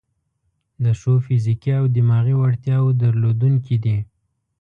د ښو فزیکي او دماغي وړتیاوو درلودونکي دي.